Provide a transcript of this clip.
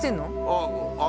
ああ！